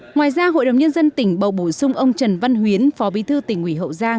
ngoài ra hội đồng nhân dân tỉnh bầu bổ sung ông trần văn huyến phó bí thư tỉnh ủy hậu giang